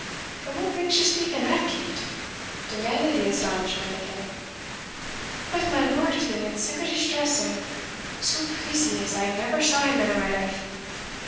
"And what makes ye speak in that gait?" demanded the astonished mendicant. "Because my lord has been in sic a distress and surpreese as I neer saw a man in my life.